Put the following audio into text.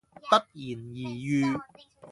不言而喻